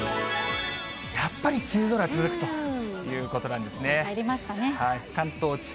やっぱり梅雨空続くということなんですね。